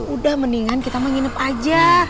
udah mendingan kita menginep aja